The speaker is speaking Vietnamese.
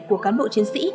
của cán bộ chiến sĩ